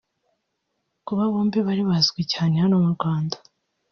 Kuba bombi bari bazwi cyane hano mu Rwanda